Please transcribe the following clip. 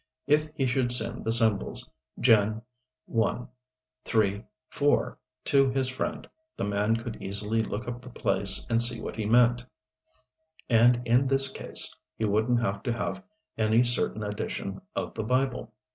If he should send the symbols "Gen. 1, 3, 4" to his friend, the man could easily look up the place and see what he meant. And in this case he wouldn't have to have any certain edition of the Bible.